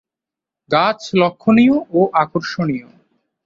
গাছ লক্ষ্যণীয় ও আকর্ষণীয়।